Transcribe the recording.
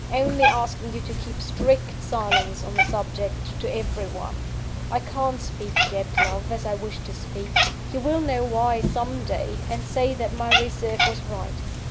only asking you to keep strict silence on the subject to every one. I can't speak yet, love, as I wish to speak: you will know why, some day, and say that my reserve was right.